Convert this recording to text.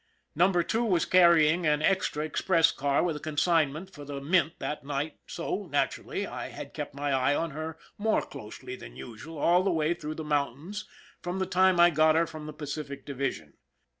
Number Two was carry ing an extra express car with a consignment for the mint that night, so, naturally, I had kept my eye on her more closely than usual all the way through the moun tains from the time I got her from the Pacific Divi sion.